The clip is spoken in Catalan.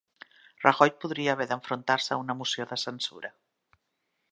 Rajoy podria haver d'enfrontar-se a una moció de censura